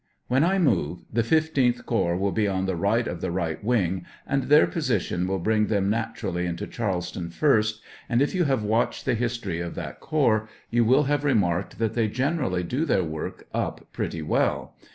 When 1 move, the 15th corps will be on the right of the right wing, and their position will bring them naturally into Charles ton first, and if you have watched the history of that corps, you will have remarked that they generally do their work up pretty well.